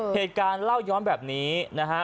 เหตุการณ์เล่าย้อนแบบนี้นะฮะ